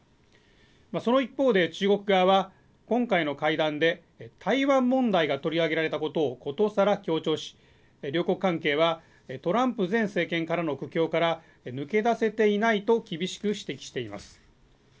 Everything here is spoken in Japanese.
その一方で、中国側は今回の会談で、台湾問題が取り上げられたことをことさら強調し、両国関係はトランプ前政権からの苦境から抜け出せていないと厳しく指摘しています。